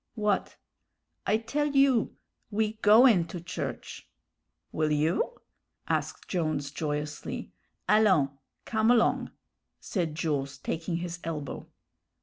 "What?" "I tell you. We goin' to church!" "Will you?" asked Jones, joyously. "Allons, come along," said Jules, taking his elbow.